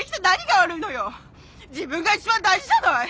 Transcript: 自分が一番大事じゃない！